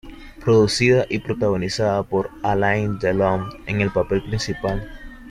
Producida y protagonizada por Alain Delon en el papel principal.